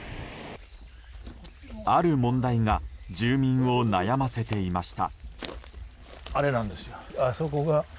ある問題が住民を悩ませていました。